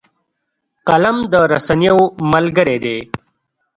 قلم د رسنیو ملګری دی